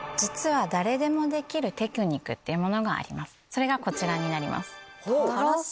それがこちらになります。